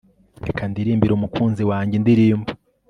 Reka ndirimbire umukunzi wanjye indirimbo